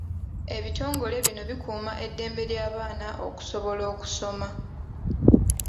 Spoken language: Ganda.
Ebitongole bino bikuuma eddembe ly'abaana okusobola okusoma.